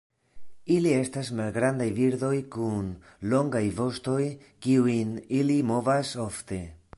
Ili estas malgrandaj birdoj kun longaj vostoj kiujn ili movas ofte.